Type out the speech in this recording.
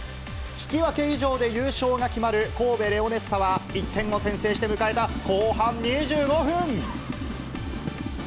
引き分け以上で優勝が決まる神戸レオネッサは、１点を先制して迎えた後半２５分。